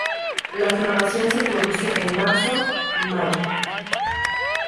La floración se produce en marzo–mayo.